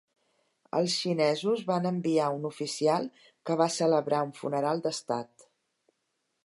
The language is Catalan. Els xinesos van enviar un oficial que va celebrar un funeral d'estat.